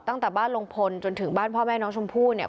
ตั้งแต่บ้านลุงพลจนถึงบ้านพ่อแม่น้องชมพู่เนี่ย